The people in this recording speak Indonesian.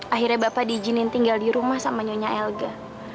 akhirnya bapak diizinin tinggal di rumah sama nyonya elga